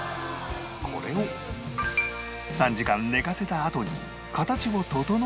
これを３時間寝かせたあとに形を整えたら